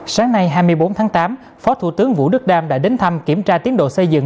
sáng nay hai mươi bốn tháng tám phó thủ tướng vũ đức đam đã đến thăm kiểm tra tiến độ xây dựng